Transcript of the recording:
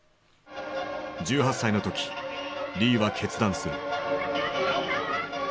１８歳の時リーは決断する。